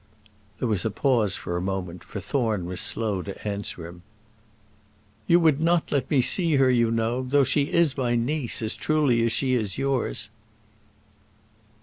There was a pause for a moment, for Thorne was slow to answer him. "You would not let me see her, you know, though she is my niece as truly as she is yours."